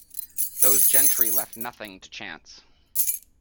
Those gentry left nothing to chance.